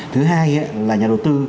thứ hai là nhà đầu tư